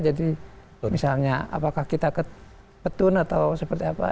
jadi misalnya apakah kita kebetulan atau seperti apa